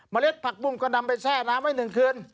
เล็ดผักบุ้งก็นำไปแช่น้ำไว้๑คืน